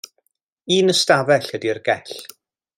Un ystafell ydy'r gell.